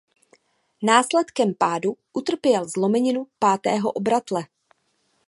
Následkem pádu utrpěl zlomeninu pátého obratle.